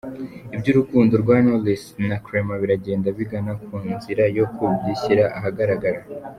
Iby’urukundo rwa Knowless na Clement biragenda bigana mu nzira yo kubishyira ahagaragara.